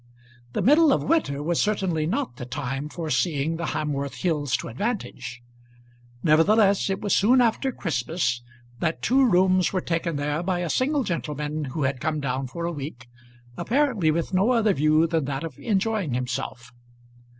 The middle of winter was certainly not the time for seeing the Hamworth hills to advantage; nevertheless it was soon after Christmas that two rooms were taken there by a single gentleman who had come down for a week, apparently with no other view than that of enjoying himself.